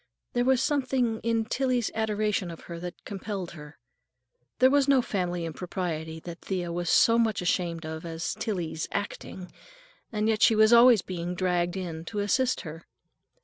There was something in Tillie's adoration of her that compelled her. There was no family impropriety that Thea was so much ashamed of as Tillie's "acting" and yet she was always being dragged in to assist her.